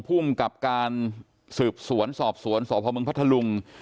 ภูมิกับการสืบสวนสอบสวนสพมพัทธลุง